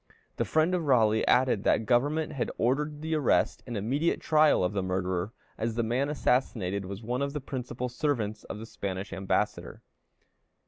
The friend of Raleigh added that government had ordered the arrest and immediate trial of the murderer, as the man assassinated was one of the principal servants of the Spanish ambassador.